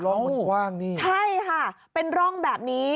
ร่องมันกว้างนี่ใช่ค่ะเป็นร่องแบบนี้